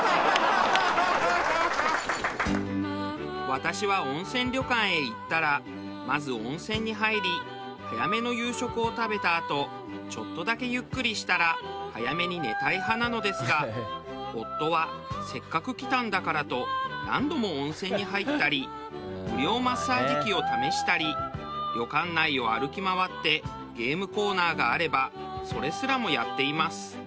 私は温泉旅館へ行ったらまず温泉に入り早めの夕食を食べたあとちょっとだけゆっくりしたら早めに寝たい派なのですが夫はせっかく来たんだからと何度も温泉に入ったり無料マッサージ機を試したり旅館内を歩き回ってゲームコーナーがあればそれすらもやっています。